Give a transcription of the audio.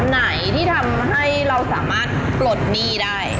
ไหนที่ทำให้เราสามารถปลดหนี้ได้